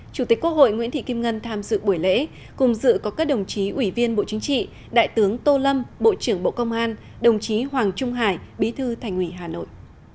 chủ tịch quốc hội nguyễn thị kim ngân tham dự buổi lễ cùng dự có các đồng chí ủy viên bộ chính trị đại tướng tô lâm bộ trưởng bộ công an đồng chí hoàng trung hải bí thư thành ủy hà nội